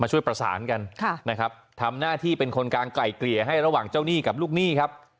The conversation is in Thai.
ช่วยประสานกันนะครับทำหน้าที่เป็นคนกลางไกลเกลี่ยให้ระหว่างเจ้าหนี้กับลูกหนี้ครับ